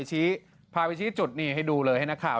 พาไปชี้จุดนี่ให้ดูเลยให้นักข่าว